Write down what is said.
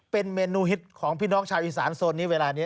เป็นเมนูฮิตของพี่น้องชาวอีสานโซนนี้เวลานี้